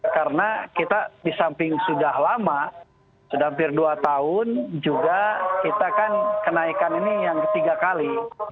karena kita di samping sudah lama sudah hampir dua tahun juga kita kan kenaikan ini yang ketiga kali